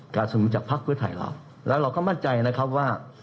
การสนุนจากภาคเครือไทยเราและเราก็มั่นใจนะครับว่า